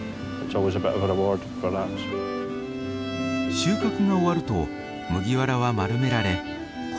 収穫が終わると麦わらは丸められこんな姿になります。